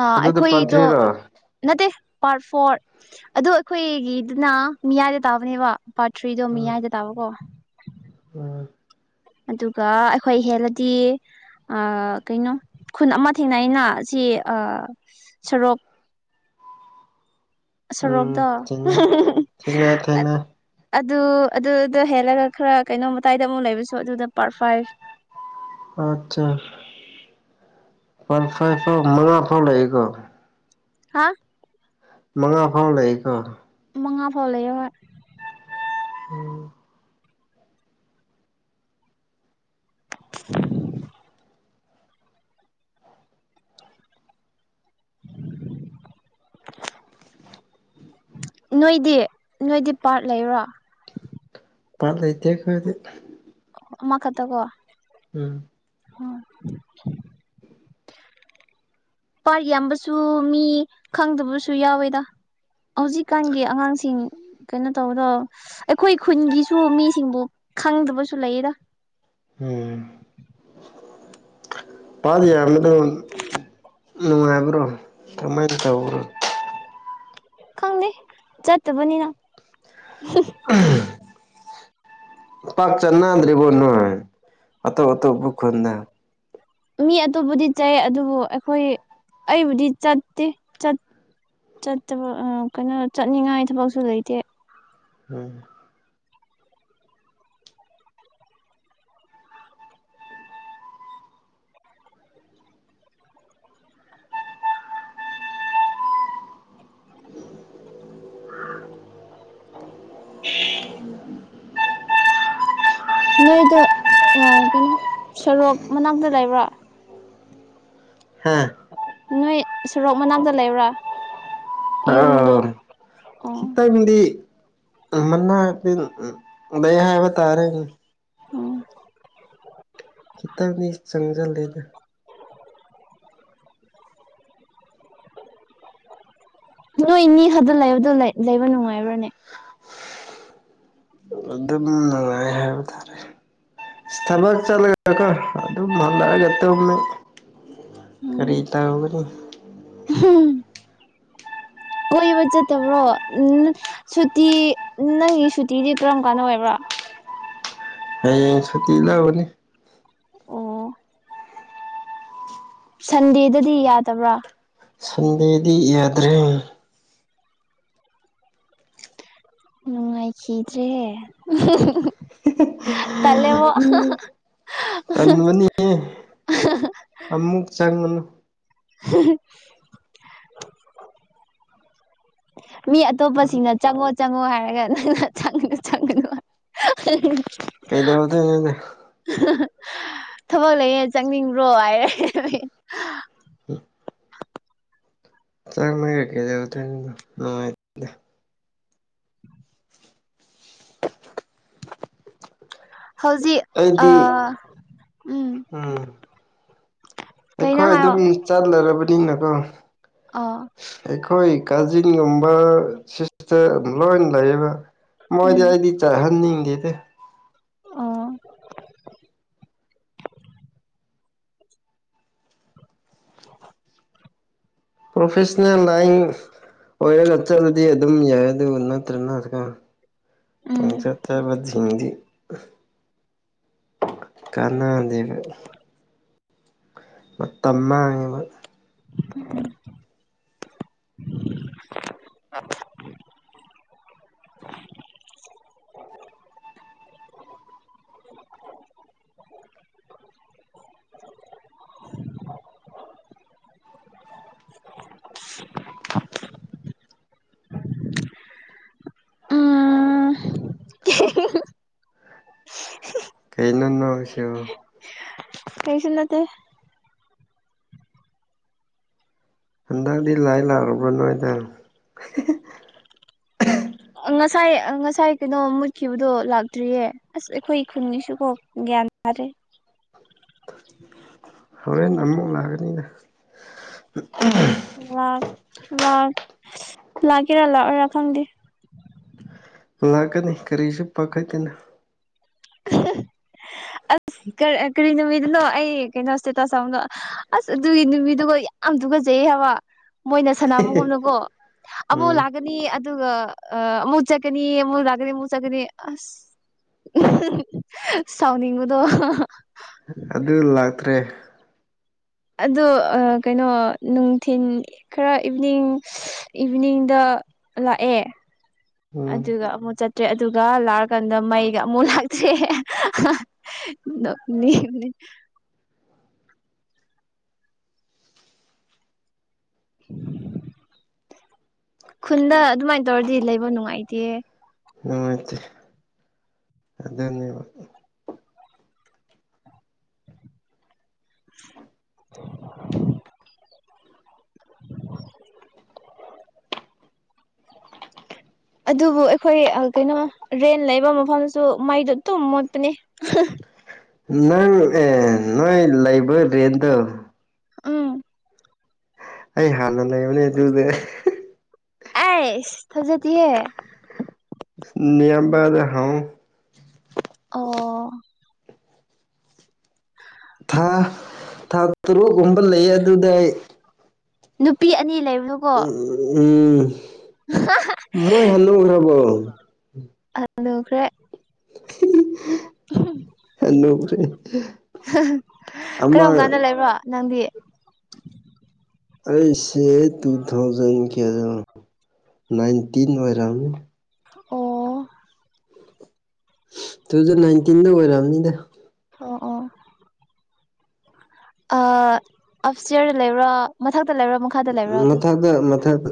ꯑ ꯑꯗꯨꯗ ꯄꯥꯠ ꯑꯩꯈꯣꯏꯗꯣ ꯊ꯭ꯔꯤꯔꯣ ꯅꯠꯇꯦ ꯄꯥꯔꯠ ꯐꯣꯔ ꯑꯗꯣ ꯑꯩꯈꯣꯏꯒꯤꯗꯨꯅ ꯃꯤꯌꯥꯏꯗ ꯇꯥꯕꯅꯦꯕ ꯄꯥꯔꯊꯔ꯭ꯤꯗꯣ ꯎꯝ ꯃꯤꯌꯥꯏꯗ ꯇꯥꯕꯀꯣ ꯎꯝ ꯑꯗꯨꯒ ꯑꯩꯈꯣꯏ ꯍꯦꯜꯂꯗꯤ ꯀꯩꯅꯣ ꯈꯨꯟ ꯑꯃ ꯊꯦꯡꯅ ꯑꯩꯅ ꯁꯤ ꯁꯣꯔꯣꯛ ꯎꯝ ꯁꯣꯔꯣꯛꯗꯣ ꯊꯦꯡꯅꯩ ꯊꯦꯡꯅꯩ ꯊꯦꯡꯅꯩ ꯑꯗꯨ ꯑꯗꯨꯗꯣ ꯍꯦꯜꯂꯒ ꯈꯔ ꯀꯩꯅꯣꯝ ꯃꯇꯥꯏꯗ ꯑꯃꯨꯛ ꯂꯩꯕꯁꯨ ꯑꯗꯨꯗ ꯄꯥꯔꯠ ꯐꯥꯏꯚ ꯑꯠꯆꯥ ꯐꯜ ꯐꯥꯏ ꯐꯥꯎ ꯃꯉꯥ ꯐꯥꯎ ꯂꯩꯦꯀꯣ ꯍꯥ ꯃꯉꯥ ꯐꯥꯎ ꯂꯩꯀꯣ ꯃꯉꯥ ꯐꯥꯎ ꯂꯩꯣꯏ ꯎꯝ [unintelligible] [unintelligible] ꯅꯣꯏꯗꯤ ꯅꯣꯏꯗꯤ ꯄꯥꯔꯠ ꯂꯩꯔꯣ ꯄꯥꯠ ꯂꯩꯇꯦ ꯈꯣꯏꯗꯤ ꯑꯃ ꯈꯛꯇ ꯀꯣ ꯎꯝ ꯑꯣ ꯄꯥꯔ ꯌꯥꯝꯕꯁꯨ ꯃꯤ ꯈꯪꯗꯕꯁꯨ ꯌꯥꯎꯋꯦꯗ ꯍꯧꯖꯤꯛꯀꯥꯟꯒꯤ ꯑꯉꯥꯡꯁꯤꯡ ꯀꯩꯅꯣ ꯇꯧꯕꯗꯣ ꯑꯩꯈꯣꯏ ꯈꯨꯟꯒꯤꯁꯨ ꯃꯤꯁꯤꯡꯗꯨ ꯈꯪꯗꯕꯁꯨ ꯂꯩꯌꯦꯗ ꯎꯝ ꯄꯗꯤ ꯌꯥꯝꯕꯗꯣ ꯅꯨꯡꯉꯥꯏꯕ꯭ꯔꯣ ꯀꯃꯥꯏꯅ ꯇꯧꯕ꯭ꯔꯣ ꯈꯪꯗꯦ ꯆꯠꯇꯕꯅꯤꯅ ꯎꯃ ꯄꯥꯠ ꯆꯠꯅꯥꯗ꯭ꯔꯤꯕꯣ ꯅꯣꯏ ꯑꯇꯣ ꯑꯇꯣꯄ ꯈꯨꯟꯗ ꯃꯤ ꯑꯇꯣꯞꯄꯗꯤ ꯆꯥꯏ ꯑꯗꯨꯕꯨ ꯑꯩꯈꯣꯏ ꯑꯩꯕꯨꯗꯤ ꯆꯠꯇꯦ ꯆꯠ ꯆꯠꯇꯕ ꯀꯩꯅꯣ ꯆꯠꯅꯤꯡꯉꯥꯏ ꯊꯕꯛꯁꯨ ꯂꯩꯇꯦ ꯑꯝ [inaudible] [inaudible] ꯅꯣꯏꯗꯣ ꯌꯥꯔꯒꯅꯤ ꯁꯣꯔꯣꯛ ꯃꯅꯥꯛꯇ ꯂꯩꯕ꯭ꯔꯣ ꯍꯥꯥ ꯅꯣꯏ ꯁꯣꯔꯣꯛ ꯃꯅꯥꯛꯗꯥ ꯂꯩꯕ꯭ꯔꯥ ꯌꯨꯝꯗꯣ [unintelligible] ꯑꯣ ꯈꯤꯇꯪꯗꯤ ꯀꯩ ꯃꯅꯥꯄꯤꯜ ꯂꯩꯩ ꯍꯥꯏꯕ ꯇꯥꯔꯦ ꯎꯝ ꯈꯤꯇꯪꯗꯤ ꯆꯪꯖꯜꯂꯦꯗ [inaudible] ꯅꯣꯏꯅꯤ ꯍꯗ ꯂꯩꯕꯗꯣ ꯂꯩꯕ ꯅꯨꯡꯉꯥꯏꯕ꯭ꯔꯅꯦ [inaudible] ꯑꯗꯨꯝ ꯉꯉꯥꯏ ꯍꯥꯏꯕ ꯇꯥꯔꯦ ꯊꯕꯛ ꯆꯠꯂꯒꯀꯣ ꯑꯗꯨꯝ ꯍꯟꯅꯔꯒꯠꯇꯅꯤ ꯈꯔꯤꯗꯥ ꯎꯒꯅꯤ ꯍꯝ ꯀꯣꯏꯕ ꯆꯠꯇꯕ꯭ꯔꯣ ꯎꯝ ꯁꯨꯇꯤ ꯅꯪꯒꯤ ꯁꯨꯇꯤꯗꯤ ꯀꯔꯝ ꯀꯥꯟꯅ ꯑꯣꯏꯕ꯭ꯔꯣ ꯑꯩ ꯁꯇ ꯂꯕꯅꯤ ꯑꯣ ꯁꯟꯗꯦꯗꯗꯤ ꯌꯥꯗꯕ꯭ꯔꯥ ꯁꯟꯗꯦꯗꯤ ꯌꯥꯗ꯭ꯔꯦ ꯅꯨꯡꯉꯥꯏꯈꯤꯗ꯭ꯔꯦ ꯇꯂꯦꯕꯨ ꯇꯪꯉꯅꯤ ꯑꯃꯨꯛ ꯆꯪꯉꯅꯨ [inaudible] ꯃꯤ ꯑꯇꯣꯞꯄꯁꯤꯡꯅ ꯆꯪꯉꯣ ꯆꯪꯉꯣ ꯍꯥꯏꯔꯒ ꯅꯪꯅ ꯆꯪꯅ ꯆꯪꯉꯒꯥ ꯀꯩꯗꯧꯔꯒꯦ ꯑꯩꯗꯤ ꯊꯕꯛ ꯂꯩꯌꯦ ꯆꯪꯅꯤꯡꯕ꯭ꯔꯣ ꯍꯥꯏꯔꯦ ꯃꯤ ꯎꯝ ꯆꯍꯤ ꯃꯉꯥ ꯀꯩꯗꯧꯗꯣꯏꯅꯣ ꯅꯥ ꯍꯧꯖꯤꯛ ꯑ ꯑꯩꯗꯤ ꯎꯝ ꯀꯩꯅꯣ ꯑꯩꯈꯣꯏ ꯍꯥꯏꯌꯣ ꯑꯗꯨꯝ ꯆꯠꯂꯔꯕꯗꯤꯅꯀꯣ ꯑꯣ ꯑꯩꯈꯣꯏ ꯀꯥꯖꯤꯟꯒꯨꯝꯕ ꯁꯤꯁꯇꯔ ꯂꯣꯏ ꯂꯩꯌꯦꯕ ꯃꯣꯏꯗꯤ ꯑꯩꯗꯤ ꯆꯠꯍꯟꯅꯤꯡꯗꯦꯗꯤ ꯑꫭ ꯄ꯭ꯔꯣꯐꯦꯁꯟꯅꯜ ꯂꯥꯏꯟ ꯑꯣꯏꯔꯒ ꯆꯠꯂꯗꯤ ꯑꯗꯨꯝ ꯌꯥꯏ ꯑꯗꯨ ꯅꯠꯇ꯭ꯔꯅ ꯍꯧꯖꯤꯛꯀꯥꯟ ꯎꯝ ꯄꯪꯆꯥꯠ ꯆꯥꯠꯄꯥ ꯁꯤꯡꯗꯤ ꯀꯅꯥꯗꯦꯕ ꯃꯇꯝ ꯃꯥꯡꯑꯦꯕ [unintelligible] [unintelligible] ꯎꯝ ꯀꯩꯩꯅꫭ ꯅꫭꯛꯏꯁꯤꯕꯨ ꯀꯩꯁꯨ ꯅꯠꯇꯦ ꯍꯟꯗꯛꯇꯗꯤ ꯂꯥꯏ ꯂꯥꯛꯔꯕ꯭ꯔꯥ ꯅꯣꯏꯗ ꯉꯁꯥꯏ ꯉꯁꯥꯏ ꯀꯩꯅꯣ ꯃꯨꯠꯈꯤꯕꯗꯣ ꯂꯥꯛꯇ꯭ꯔꯤꯌꯦ ꯑꯁ ꯑꯩꯈꯣꯏ ꯈꯨꯟꯒꯤꯁꯨ ꯀꯣ ꯒ꯭ꯌꯥꯟ ꯇꯥꯗꯔꯦ ꯍꯣꯔꯦꯟ ꯑꯃꯨꯛ ꯂꯥꯛꯀꯅꯤꯗ ꯂꯥꯛ ꯂꯥꯛ ꯂꯥꯛꯀꯦꯔꯥ ꯂꯥꯛꯑꯣꯏꯔꯥ ꯈꯪꯗꯦ ꯂꯥꯛ ꯀꯅꯤ ꯀꯔꯁꯨ ꯄꯈꯥꯠꯀꯅꯨ ꯑꯁ ꯀꯔꯤ ꯅꯨꯃꯤꯠꯅꯣ ꯑꯩ ꯀꯩꯅꯣ ꯏꯇꯦ ꯇꯁ ꯊꯥꯝꯕꯗꯣ ꯑꯁ ꯑꯗꯨꯒꯤ ꯅꯨꯃꯤꯠꯗꯨꯒ ꯌꯥꯝ ꯨꯇꯨꯒꯨꯠꯖꯩ ꯍꯥꯏꯕ ꯃꯣꯏꯅ ꯁꯥꯟꯅꯕꯒꯨꯝꯅꯀꯣ ꯑꯃꯨꯛ ꯎꯝ ꯂꯥꯛꯀꯅꯤ ꯑꯗꯨꯒ ꯑꯃꯨꯛ ꯆꯠꯀꯅꯤ ꯑꯃꯨꯛ ꯂꯥꯛꯀꯅꯤ ꯑꯃꯨꯛ ꯆꯠꯀꯅꯤ ꯑꯁ ꯁꯥꯎꯅꯤꯡꯕꯗꯣ ꯑꯗꯨ ꯂꯥꯛꯇ꯭ꯔꯦ ꯑꯗꯣ ꯀꯩꯅꯣ ꯅꯨꯡꯊꯤꯟ ꯈꯔ ꯏꯚꯤꯅꯤꯡ ꯏꯚꯤꯅꯤꯡꯗ ꯂꯥꯛꯑꯦ ꯎꯝ ꯑꯗꯨꯒ ꯑꯃꯨꯛ ꯆꯠꯇ꯭ꯔꯦ ꯑꯗꯨꯒ ꯂꯥꯛꯑꯀꯥꯟꯗ ꯃꯩꯒ ꯑꯃꯨꯛ ꯂꯥꯛꯇ꯭ꯔꯦ ꯅꫭꯛꯅꯤꯡꯑꯦ ꯈꯨꯟꯗ ꯑꯗꯨꯃꯥꯏꯅ ꯇꯧꯔꯗꯤ ꯂꯩꯕ ꯅꯨꯡꯉꯥꯏꯇꯦ ꯅꯨꯡꯉꯥꯏꯇ ꯑꯗꯨꯅꯦꯕ [inaudible] ꯑꯗꯨꯕꯨ ꯑꯩꯈꯣꯏ ꯀꯩꯅꯣ ꯔꯦꯟ ꯂꯩꯕ ꯃꯐꯝꯁꯨ ꯃꯩꯗꯣ ꯑꯗꯨꯝ ꯃꯨꯠꯄꯅꯦ ꯅꯪ ꯑꯦ ꯅꯣꯏ ꯂꯩꯕ ꯔꯦꯟꯗꯣ ꯎꯝ ꯑꯩ ꯍꯥꯟꯅ ꯂꯩꯕꯅꯦ ꯑꯗꯨꯗꯦ ꯑꯁ ꯊꯥꯖꯗꯤꯍꯦ ꯅꯤꯌꯥꯝꯕꯗ ꯍꯪꯎ ꯑꯣ ꯊꯥ ꯊꯥ ꯇꯔꯨꯛꯀꯨꯝꯕ ꯂꯩ ꯑꯗꯨꯗ ꯑꯩ ꯅꯨꯄꯤ ꯑꯅꯤ ꯂꯩꯕꯗꯨ ꯎ ꯎꯝ ꯃꯣꯏ ꯍꯅꯨꯔꯕꯣ ꯍꯅꯨꯈ꯭ꯔꯦ [unintelligible] ꯑꯃ ꯀꯔꯝ ꯀꯥꯟꯗ ꯂꯩꯕ꯭ꯔꯣ ꯅꯪꯗꯤ ꯑꯩꯁꯦ ꯇꯨꯊꯥꯎꯖꯟ ꯀꯌꯥꯗꯅꫭ ꯅꯥꯏꯟꯇꯤꯟ ꯑꯣꯏꯔꯝꯅꯤ ꯑꯣ ꯇꯨ ꯊꯥꯎꯖꯟ ꯅꯥꯏꯟꯇꯤꯟꯗ ꯑꯣꯏꯔꯝꯅꯤꯗ ꯑꯣ ꯑꯣ ꯑꯞ ꯏꯁꯇꯤꯌꯔꯗ ꯂꯩꯕꯔꯥ ꯃꯊꯛꯇ ꯂꯩꯕꯔꯥ ꯃꯈꯥ ꯃꯊꯛꯗ ꯃꯊꯛ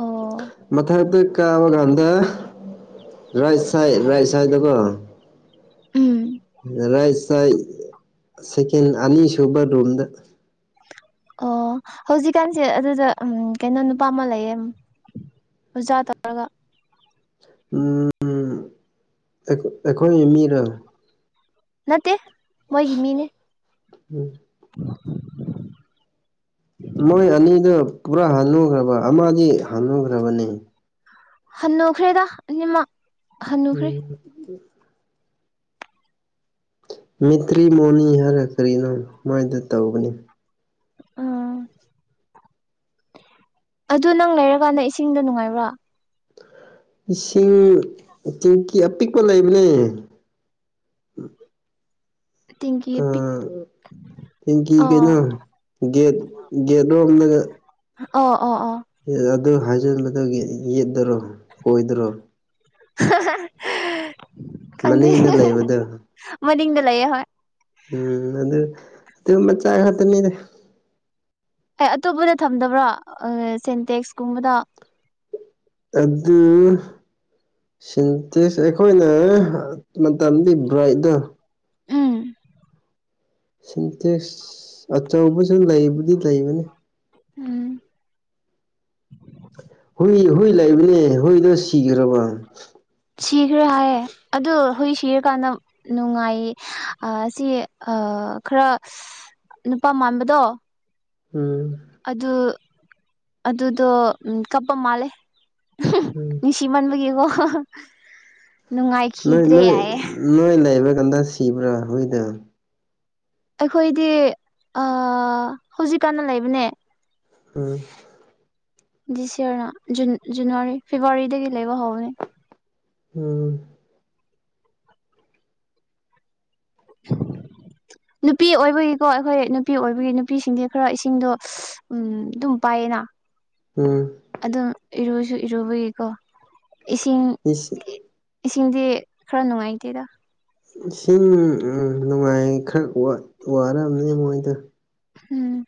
ꯑꯣ ꯃꯊꯛꯇ ꯀꯥꯕ ꯀꯥꯟꯗ ꯔꯥꯏꯠ ꯁꯥꯏꯠ ꯔꯥꯏꯠ ꯁꯥꯏꯗꯇꯀꯣ ꯎꯝ ꯔꯥꯏ ꯆꯥꯏꯠ ꯁꯦꯀꯦꯟ ꯑꯅꯤꯁꯨꯨꯕ ꯔꯨꯝꯗ ꯑꯣ ꯍꯧꯖꯤꯛꯀꯥꯟꯁꯦ ꯑꯗꯨꯗ ꯎꯝ ꯀꯩꯅꯣ ꯅꯨꯄꯥ ꯑꯃ ꯂꯩꯌꯦ ꯑꯣꯖꯥ ꯇꯥꯔꯒ ꯑꯝ ꯐꯩꯈꯣꯏ ꯑꯩꯈꯣꯏꯒꯤ ꯃꯤꯔ ꯅꯠꯇꯦ ꯃꯣꯏꯒꯤ ꯃꯤꯅꯦ ꯎꯝ [inaudible] ꯃꯣꯏ ꯑꯅꯤꯗꯨ ꯄꯨꯔꯥ ꯍꯥꯅꯨꯈ꯭ꯔꯕ ꯑꯃꯗꯤ ꯍꯥꯜꯅꯨꯈ꯭ꯔꯕꯅꯤ ꯍꯅꯨꯈ꯭ꯔꯦꯗ ꯑꯅꯤꯃꯛ ꯍꯟꯅꯨꯈ꯭ꯔꯦ ꯎꯝ ꯃꯤꯇ꯭ꯔꯤ ꯃꯣꯅꯤ ꯍꯥꯏꯔ ꯀꯔꯤꯅꯣ ꯃꯥꯏꯗ ꯇꯧꯒꯅꯤ ꯎꯥ ꯑꯗꯨ ꯅꯪ ꯂꯩꯔꯀꯥꯟꯗ ꯏꯁꯤꯡꯗꯣ ꯅꯨꯡꯉꯥꯏꯕ꯭ꯔꯥ ꯏꯁꯤꯡ ꯇꯦꯡꯀꯤ ꯑꯄꯤꯛꯄ ꯂꯩꯕꯅꯦ ꯇꯦꯡꯀꯤ ꯑ ꯄꯤꯛ ꯇꯦꯡꯀꯤ ꯑꯣ ꯀꯩꯅꯣ ꯒꯦꯠ ꯒꯦꯠ ꯂꯣꯝꯗ ꯑꯣ ꯑꯣ ꯑꯣ ꯑꯗꯨ ꯍꯥꯏꯖꯤꯜꯂꯒ ꯌꯦꯠꯗꯔꯣ ꯑꯣꯏꯗꯔꯣ ꯃꯅꯤꯡꯗ [unintelligible] ꯂꯩꯕꯗꯣ [unintelligible] ꯃꯅꯤꯡꯗ ꯂꯩꯑꯦ ꯍꯣꯏ ꯎꯝ ꯑꯗꯨ ꯆꯤꯡ ꯃꯆꯥ ꯉꯥꯛꯇꯅꯤꯗ ꯑꯦ ꯑꯇꯣꯞꯄꯗ ꯊꯝꯗꯕ꯭ꯔꯣ ꯁꯦꯟꯇꯦꯛꯁꯀꯨꯝꯕꯗꯣ ꯑꯗꯨ ꯁꯤꯟꯇꯦꯛꯁ ꯑꯩꯈꯣꯏꯅ ꯃꯇꯝꯗꯤ ꯕ꯭ꯔꯥꯏꯗ ꯎꯝ ꯁꯤꯟꯇꯦꯛꯁ ꯑꯆꯧꯕꯁꯨ ꯂꯩꯕꯨꯗꯤ ꯂꯩꯕꯅꯤ ꯎꯝ ꯍꯨꯏ ꯍꯨꯏ ꯂꯩꯕꯅꯦ ꯍꯨꯏꯗꯣ ꯁꯤꯈ꯭ꯔꯕ ꯁꯤꯈ꯭ꯔꯦ ꯍꯥꯏꯌꯦ ꯑꯗꯨ ꯍꯨꯎ ꯁꯤꯔꯀꯥꯟꯗ ꯅꯨꯡꯉꯥꯏꯌꯦ ꯑꯁꯤ ꯈꯔ ꯅꯨꯄꯥ ꯃꯥꯟꯕꯗꯣ ꯎꯝ ꯑꯗꯨ ꯑꯗꯨꯗꯣ ꯀꯞꯄ ꯃꯥꯂꯦ ꯎꯝ ꯅꯨꯡꯁꯤꯃꯟꯕꯒꯤꯀꯣ ꯅꯨꯡꯉꯥꯏ ꯅꯣꯏ ꯅꯣꯏ ꯅꯣꯏ ꯂꯩꯕ꯭ꯔꯥ ꯀꯥꯟꯗ ꯁꯤꯕ꯭ꯔꯥ ꯍꯨꯏꯗꯣ ꯑꯩꯈꯣꯏꯗꯤ ꯍꯧꯖꯤꯛꯀꯥꯟꯅ ꯂꯩꯕꯅꯦ ꯎꯝ ꯗꯤꯁ ꯌꯥꯔꯅ ꯖꯅꯋꯥꯔꯤ ꯐꯦꯕꯋꯥꯔꯤꯗꯒꯤ ꯂꯩꯕ ꯍꯧꯕꯅꯦ ꯎꯝ ꯅꯨꯄꯤ ꯑꯣꯏꯕꯒꯤꯀꯣ ꯑꯩꯈꯣꯏ ꯅꯨꯄꯤ ꯑꯣꯏꯕꯒꯤ ꯅꯨꯄꯤꯁꯤꯡꯗꯤ ꯈꯔ ꯏꯁꯤꯡꯗꯣ ꯎꯝ ꯑꯗꯨꯝ ꯄꯥꯏꯌꯦꯅ ꯎꯝ ꯑꯗꯨꯝ ꯏꯔꯨꯁꯨ ꯏꯔꯨꯕꯒꯤꯀꯣ ꯏꯁꯤꯡ ꯏꯁꯤꯡ ꯏꯁꯤꯡꯗꯤ ꯈꯔ ꯅꯨꯡꯉꯥꯏꯇꯦꯗ ꯏꯁꯤꯡ ꯅꯨꯡꯉꯥꯏ ꯈꯔ ꯋꯥꯔꯝꯅꯦ ꯃꯣꯏꯗꯣ ꯎꯝ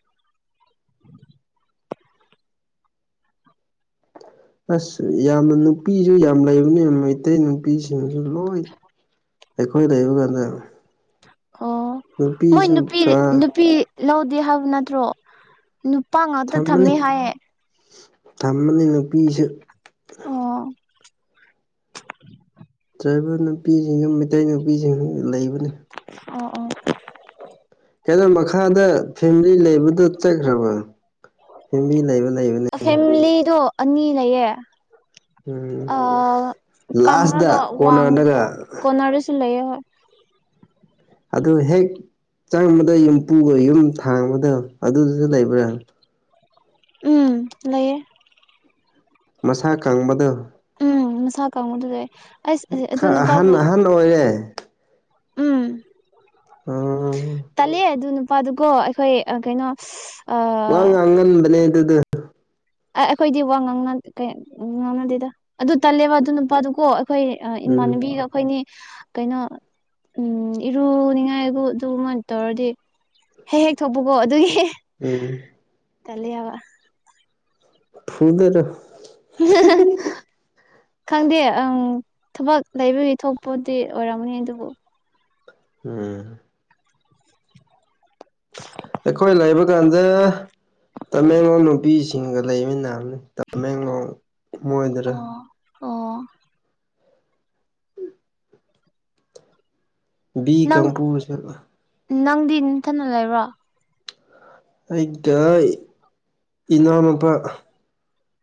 ꯑꯁ ꯌꯥꯝꯅ ꯅꯨꯄꯤꯁꯨ ꯌꯥꯝ ꯂꯩꯕꯅꯤ ꯌꯥꯝ ꯃꯩꯇꯩ ꯅꯨꯄꯤꯁꯤꯡꯁꯨ ꯂꯣꯏ ꯑꯩꯈꯣꯏ ꯂꯩꯕ ꯀꯥꯟꯗ ꯑꯣ ꯃꯣꯏ ꯅꯨꯄꯤꯁꯨ ꯅꯨꯄꯤ ꯀꯥ ꯅꯨꯄꯤ ꯂꯧꯗꯦ ꯍꯥꯏꯕ ꯅꯠꯇ꯭ꯔꯣ ꯅꯨꯄꯥ ꯉꯥꯛꯇ ꯊꯝꯃꯦ ꯍꯥꯏꯌꯦ ꯊꯝꯝꯕꯅꯤ ꯅꯨꯄꯤꯁꯨ ꯑꯣ ꯇ꯭ꯔꯥꯏꯕꯔ ꯅꯨꯄꯤꯁꯤꯡꯁꯨ ꯃꯩꯇꯩ ꯅꯨꯄꯤꯁꯤꯡ ꯂꯩꯕꯅꯤ ꯑꯣ ꯑꯣ ꯀꯩꯅꯣ ꯃꯈꯥꯗ ꯐꯦꯃꯤꯂꯤ ꯂꯩꯕꯗꯨꯣ ꯆꯠꯈ꯭ꯔꯕ ꯁꯦꯝꯕꯤ ꯂꯩꯕ ꯂꯩꯕꯅꯦ ꯑꯣ ꯐꯦꯃꯤꯂꯤꯗꯣ ꯑꯅꯤ ꯂꯩꯌꯦ ꯎꯝ ꯑ ꯂꯥꯁꯇ ꯀꯪ꯭ꯔꯒꯣ ꯋꯥꯡꯒꯣ ꯀꯣꯅꯔꯗꯒ ꯀꯣꯅꯥꯔꯁꯨ ꯂꯩꯌꯦꯦꯣꯏ ꯑꯗꯨ ꯍꯦꯛ ꯆꯪꯕꯗ ꯌꯨꯝ ꯄꯨꯒ ꯌꯨꯝ ꯊꯥꯡꯕꯗꯣ ꯑꯗꯨꯗꯨꯁꯨ ꯂꯩꯕ꯭ꯔꯥ ꯎꯝ ꯂꯩꯌꯦꯦ ꯃꯁꯥ ꯀꯪꯕꯗ ꯎꯝ ꯃꯁꯥ ꯀꯥꯡꯕꯨꯨꯗꯨꯗ ꯈꯔ ꯑꯍꯟ ꯑꯍꯟ ꯑꯣꯏꯔꯦ ꯎꯝ ꯑꯣ ꯇꯜꯂꯦ ꯑꯗꯨ ꯅꯨꯄꯥꯗꯨꯀꯣ ꯑꯩꯈꯣꯏ ꯀꯩꯅꯣ ꯑ ꯋꯥꯉ ꯉꯉ ꯉꯕꯅꯦ ꯑꯗꯨꯗꯤ ꯑ ꯑꯩꯈꯣꯏꯗꯤ ꯋꯥ ꯉꯥꯡꯅ ꯉꯥꯡꯅꯗꯦꯗ ꯑꯗꯨ ꯇꯜꯂꯦꯕ ꯑꯗꯨ ꯅꯨꯄꯥꯗꯨꯀꯣ ꯑꯩꯈꯣꯏ ꯎꯝ ꯏꯃꯥꯟꯅꯕꯤꯒ ꯑꯩꯈꯣꯏꯅꯤ ꯀꯩꯅꯣ ꯎ ꯏꯔꯨꯅꯤꯡꯉꯥꯏꯕꯨ ꯑꯗꯨꯃꯅ ꯇꯧꯔꯗꯤ ꯍꯦꯛ ꯍꯦꯛ ꯊꯣꯛꯄꯨꯀꯣ ꯑꯗꯨꯒꯤ ꯎꯝ ꯇꯂꯦ ꯐꯤꯗꯔ [unintelligible] ꯈꯪꯗꯦ ꯑꯪ ꯊꯕꯛ ꯂꯩꯕꯒꯤ ꯊꯣꯛꯄꯗꯤ ꯑꯣꯏꯔꯝꯒꯅꯤ ꯑꯗꯨꯕꯨ ꯎꯝ ꯑꯩꯈꯣꯏ ꯂꯩꯥꯛꯕ ꯀꯥꯟꯗ ꯇꯃꯦꯡꯂꯣꯡ ꯅꯨꯄꯤꯁꯤꯡꯒ ꯂꯩꯕ ꯅꯕꯅꯤ ꯇꯃꯦꯡꯂꯣꯡ ꯃꯣꯏꯗꯔ ꯑꯣ ꯑꯣ ꯅꯪ ꯀꯝꯄꯣꯁ ꯅꯪꯗꯤ ꯅꯟꯊꯗ ꯂꯩꯕ꯭ꯔꯣ ꯑꯩꯗ ꯏꯅꯥꯎꯅꯨꯄꯥ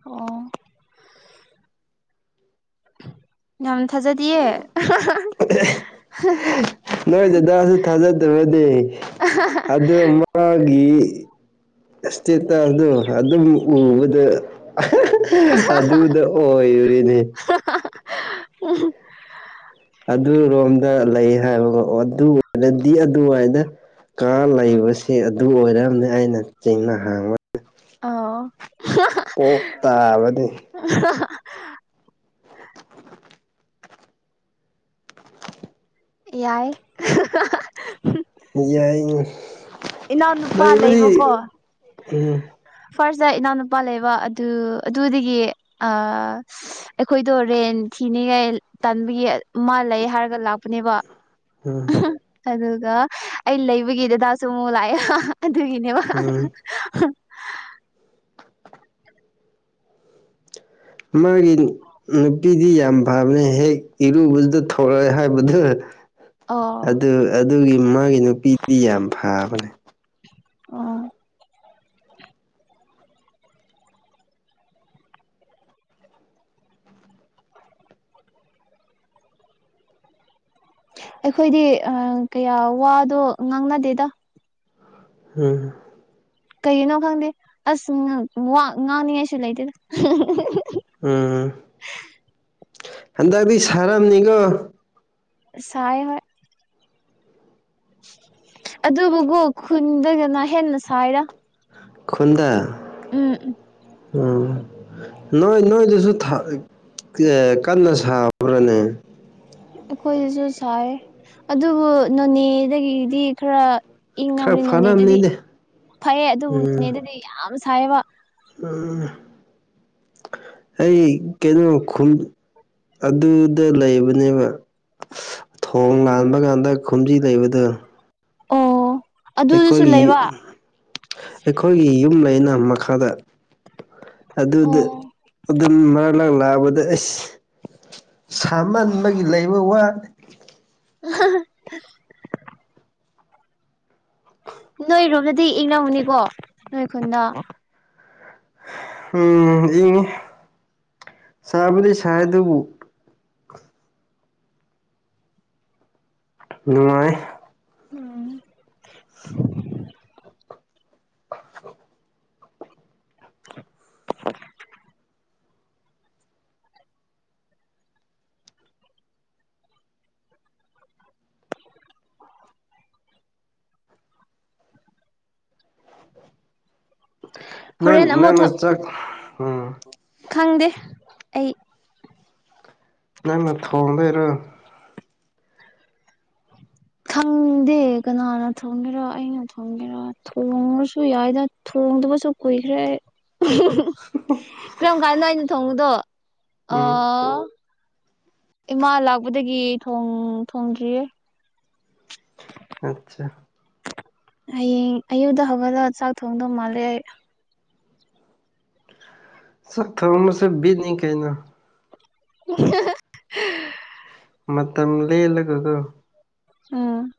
ꯑꯣ ꯌꯥꯝ ꯊꯥꯖꯗꯤꯌꯦ ꯅꯣꯏ ꯗꯗꯥꯁꯨ ꯊꯥꯖꯗꯕꯗꯤ ꯑꯗꯨ ꯃꯥꯒꯤ ꯏꯁꯇꯦꯇꯁꯗꯣ ꯑꯗꯨꯝ ꯎꯕꯗ ꯑꯗꯨꯗ ꯑꯣꯏꯔꯤꯅꯦ ꯎꯝ ꯑꯗꯨꯔꯣꯝꯗ ꯂꯩ ꯍꯥꯏꯕꯒꯣ ꯑꯗꯨ ꯑꯣꯏꯔꯗꯤ ꯑꯗꯨꯋꯥꯏꯗ ꯀꯥ ꯂꯩꯕꯁꯦ ꯑꯗꯨ ꯑꯣꯏꯔꯝꯅꯤ ꯑꯩꯅ ꯆꯤꯡꯅ ꯍꯥꯡꯕ ꯑ ꯄꯣꯛ ꯇꯥꯕꯅꯤ ꯌꯥꯏ ꯌꯥꯏ ꯏꯅꯥꯎꯅꯨꯄꯥ ꯂꯩꯕꯨꯗꯤ ꯂꯩꯕꯀꯣ ꯎꯝ ꯐꯥꯔꯁꯇ ꯏꯅꯥꯎꯅꯨꯄꯥ ꯂꯩꯕ ꯑꯗꯨ ꯑꯗꯨꯗꯒꯤ ꯑ ꯑꯩꯈꯣꯏꯗꯣ ꯔꯦꯟ ꯊꯤꯅꯤꯉꯥꯏ ꯇꯟꯕꯒꯤ ꯃꯥ ꯂꯩ ꯍꯥꯏꯔꯒ ꯂꯥꯛꯄꯅꯦꯕ ꯎꯝ ꯑꯗꯨꯒ ꯑꯩ ꯂꯩꯕꯒꯤ ꯗꯗꯥꯁꯨ ꯑꯃꯨꯛ ꯂꯥꯛꯑꯦ ꯑꯗꯨꯒꯤꯅꯦꯕ ꯎꯝ ꯃꯔꯤꯟ ꯅꯨꯄꯤꯗꯤ ꯌꯥꯝ ꯐꯕꯅꯦ ꯍꯦꯛ ꯏꯔꯨꯕꯗꯨꯗ ꯊꯣꯛꯂꯛꯑꯦ ꯍꯥꯏꯕꯗꯨ ꯑꯣ ꯑꯗꯨ ꯑꯗꯨꯒꯤ ꯃꯥꯒꯤ ꯅꯨꯄꯤꯗꯤ ꯌꯥꯝ ꯐꯕꯅꯦ ꯑꯣ ꯑꯩꯈꯣꯏꯗꯤ ꯀꯌꯥ ꯋꯥꯗꯣ ꯉꯥꯡꯅꯗꯦꯗ ꯎꯝ ꯀꯩꯒꯤꯅꯣ ꯈꯪꯗꯦ ꯑꯁ ꯋꯥ ꯉꯥꯡꯅꯤꯡꯉꯥꯏꯁꯨ ꯂꯩꯇꯦꯗ [unintelligible] ꯎꯝ ꯍꯟꯗꯛꯇꯤ ꯁꯥꯔꯝꯅꯤꯀꯣ ꯁꯥꯏ ꯍꯣꯏ ꯑꯗꯨꯕꯨꯀꯣ ꯈꯨꯟꯗꯅ ꯍꯦꯟꯅ ꯁꯥꯏꯗ ꯈꯨꯟꯗ ꯎꯝ ꯎꯝ ꯅꯣꯏ ꯅꯣꯏꯗꯨꯁꯨ ꯊꯤ ꯀꯟꯅ ꯁꯥꯕ꯭ꯔꯅꯦ ꯑꯩꯈꯣꯏꯁꯤꯁꯨ ꯁꯥꯏ ꯑꯗꯨꯕꯨ ꯅꯣꯅꯦꯗꯒꯤꯗꯤ ꯈꯔ ꯈꯔ ꯏꯪꯉꯕꯅꯤ ꯅꯣꯅꯦꯗꯗꯤ ꯐꯔꯝꯅꯤꯅꯦ ꯐꯩꯌꯦ ꯑꯗꯨꯕꯨ ꯎꯝ ꯅꯣꯅꯦꯗꯗꯤ ꯌꯥꯝ ꯁꯥꯏꯌꯦꯕ ꯎꯝ ꯑꯩ ꯀꯩꯅꯣ ꯈꯨꯝ ꯑꯗꯨꯗ ꯂꯩꯕꯅꯦꯕ ꯊꯣꯡ ꯂꯥꯟꯕ ꯀꯥꯟꯗ ꯈꯨꯟꯕꯤ ꯂꯩꯕꯗꯣ ꯑꯣ ꯑꯗꯨꯗꯁꯨ ꯑꯩꯈꯣꯏꯒꯤ ꯂꯩꯕ ꯑꯩꯈꯣꯏꯒꯤ ꯌꯨꯝ ꯂꯩꯅ ꯃꯈꯥꯗ ꯑꯗꯨꯗ ꯑꯣ ꯑꯗꯨꯝ ꯃꯔꯛ ꯂꯛ ꯂꯥꯛꯄꯗ ꯑꯁ ꯁꯥꯃꯟꯕꯒꯤ ꯂꯩꯕ ꯋꯥ ꯑꯥꯍꯥ [unintelligible] ꯅꯣꯏꯔꯣꯝꯗꯗꯤ ꯏꯪꯉꯝꯒꯅꯤꯀꯣ ꯅꯣꯏ ꯈꯨꯟꯗ ꯎꯝ ꯏꯡꯉꯤ ꯁꯥꯕꯨꯗꯤ ꯁꯥꯏ ꯑꯗꯨꯕꯨ ꯅꯨꯡꯉꯥꯏ [inaudible] [inaudible] [inaudible] ꯅꯪꯢ ꯍꯣꯔꯦꯟ ꯅꯪ ꯑꯃꯨꯛ ꯅ ꯆꯥꯛ ꯎꯝ ꯈꯪꯗꯦ ꯑꯩ ꯅꯪꯅ ꯊꯣꯡꯗꯣꯢꯔꯣ [inaudible] ꯈꯪꯗꯦ ꯀꯅꯥꯅ ꯊꯣꯡꯒꯦꯔꯥ ꯑꯩꯅ ꯊꯣꯡꯒꯦꯔꯥ ꯊꯣꯡꯉꯁꯨ ꯌꯥꯏꯗ ꯊꯣꯡꯗꯕꯁꯨ ꯀꯨꯏꯈ꯭ꯔꯦ ꯑꯩ ꯀꯔꯝ ꯀꯥꯟꯅꯣ ꯑꯩꯅ ꯊꯣꯡꯕꯗꯣ ꯎꯝ ꯑꯣ ꯏꯃꯥ ꯂꯥꯛꯄꯗꯒꯤ ꯊꯣꯡ ꯊꯣꯡꯗ꯭ꯔꯤꯌꯦ ꯑꯆꯥ ꯍꯌꯦꯡ ꯑꯌꯨꯛꯇ ꯍꯧꯒꯠꯂꯒ ꯆꯥꯛ ꯊꯣꯡꯗꯧ ꯃꯥꯜꯂꯦ ꯑꯩ ꯆꯥꯛ ꯊꯣꯡꯕꯁꯦ ꯕꯤꯠꯅꯤ ꯀꯩꯅꯣ [unintelligible] ꯃꯇꯝ ꯂꯦꯂꯒ ꯀꯣ ꯎꯝ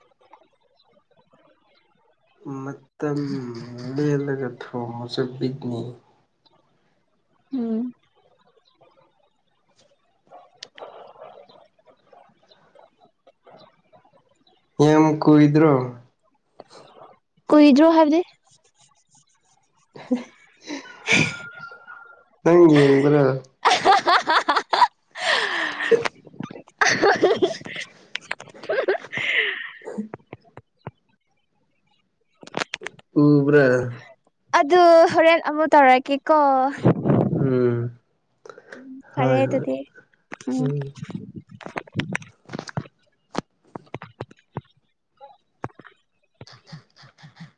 [unintelligible] ꯃꯇꯝ ꯂꯦꯜꯂꯒ ꯊꯣꯡꯉꯁꯨ ꯕꯤꯠꯅꯤ ꯎꯝ [inaudible] ꯌꯥꯝ ꯀꯨꯏꯗ꯭ꯔꯣ ꯀꯨꯏꯗꯔꯣ ꯍꯥꯏꯕꯗꯤ [unintelligible] [unintelligible] ꯅꯪ ꯌꯦꯡꯕ꯭ꯔꯥ [unintelligible] ꯑ [unintelligible] [unintelligible] [unintelligible] ꯎꯕ꯭ꯔꯥ ꯑꯗꯨ ꯍꯣꯔꯦꯟ ꯑꯃꯨꯛ ꯇꯧꯔꯛꯀꯦꯀꯣ ꯎꯝ ꯐꯔꯦ ꯍꯣꯏ ꯍꯣꯏ ꯗꯨꯗꯤ ꯎꯝ [unintelligible]